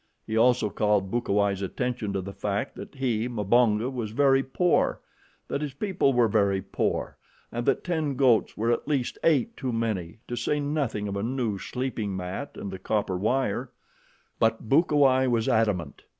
He also called Bukawai's attention to the fact that he, Mbonga, was very poor, that his people were very poor, and that ten goats were at least eight too many, to say nothing of a new sleeping mat and the copper wire; but Bukawai was adamant.